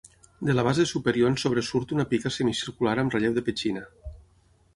De la base superior en sobresurt una pica semicircular amb relleu de petxina.